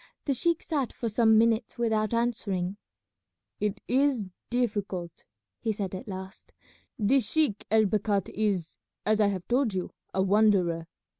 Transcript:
The sheik sat for some minutes without answering. "It is difficult," he said at last; "this sheik El Bakhat is, as I have told you, a wanderer.